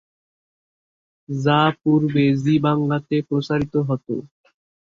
যা পূর্বে জি বাংলাতে প্রচারিত হত।